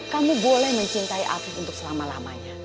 kamu boleh mencintai alfif untuk selama lamanya